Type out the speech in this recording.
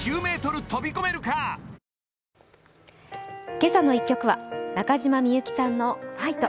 「けさの１曲」は中島みゆきさんの「ファイト！」